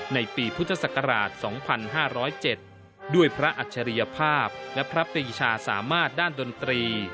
ในปีพุทธศักราช๒๕๐๗ด้วยพระอัจฉริยภาพและพระปรีชาสามารถด้านดนตรี